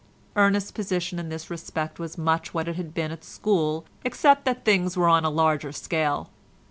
Ernest's position in this respect was much what it had been at school except that things were on a larger scale.